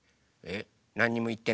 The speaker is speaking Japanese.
えっ？